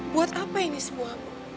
buat apa ini semua